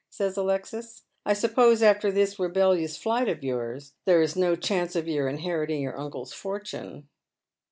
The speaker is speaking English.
says Alexis. "I suppose afte* this rebellious flight of yours there is no chance of your inherit ing your uncle's fortune."